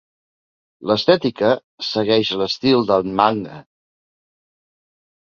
L'estètica segueix l'estil del manga.